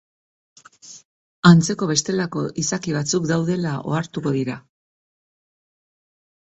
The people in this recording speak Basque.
Antzeko bestelako izaki batzuk daudela ohartuko dira.